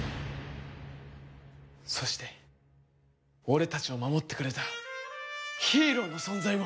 そして俺たちを守ってくれたヒーローの存在を。